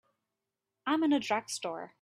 I'm in a drugstore.